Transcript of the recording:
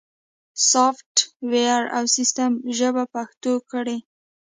سافت ویر او سیستم ژبه پښتو کړئ